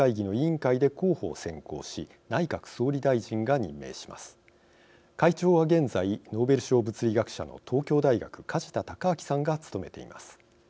会長は現在ノーベル賞物理学者の東京大学・梶田隆章さんが務めています。